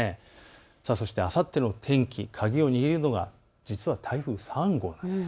そして、あさっての天気、鍵を握るのが実は台風３号です。